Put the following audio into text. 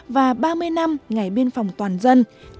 và ba mươi năm ngày biên phòng toàn dân